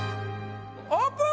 オープン！